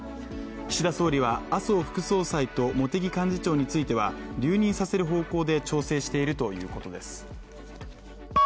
岸田総理は麻生副総裁と茂木幹事長については留任させる方向で調整しているということです。